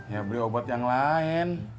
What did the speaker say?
ya beli obat yang lain